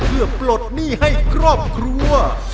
เพื่อปลดหนี้ให้ครอบครัว